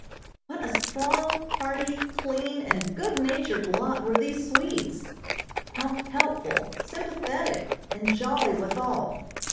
What a strong, hearty, clean, and good natured lot were these Swedes. How helpful, sympathetic, and jolly withal.